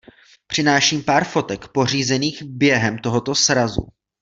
Přináším pár fotek pořízených během tohoto srazu.